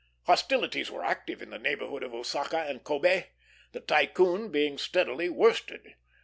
Hostilities were active in the neighborhood of Osaka and Kobé, the Tycoon being steadily worsted.